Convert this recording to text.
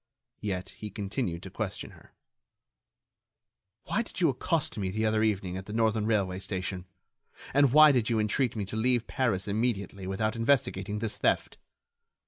Yet he continued to question her: "Why did you accost me the other evening at the Northern Railway station? And why did you entreat me to leave Paris immediately without investigating this theft?"